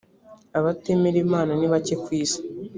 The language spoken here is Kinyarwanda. abatemera imana nibake kwisi.